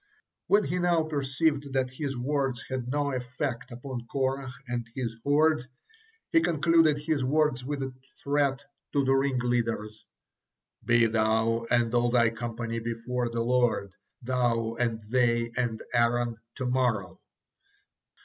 When he now perceived that his words had no effect upon Korah and his horde, he concluded his words with a treat to the ring leaders: "Be thou and all thy company before the Lord, thou and they, and Aaron, to morrow."